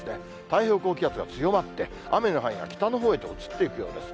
太平洋高気圧が強まって、雨の範囲が北のほうへと移っていくようです。